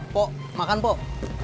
pok makan pok